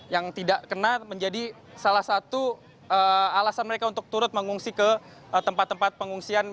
yang tidak kena menjadi salah satu alasan mereka untuk turut mengungsi ke tempat tempat pengungsian